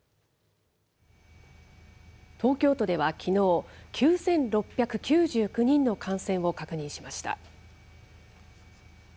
東京都ではきのう、９６９９人の感染を確認しました。